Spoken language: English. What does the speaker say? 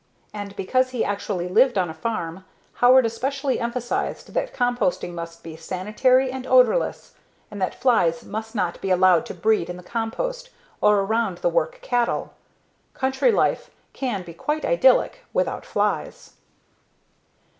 And because he actually lived on a farm, Howard especially emphasized that composting must be sanitary and odorless and that flies must not be allowed to breed in the compost or around the work cattle. Country life can be quite idyllic without flies.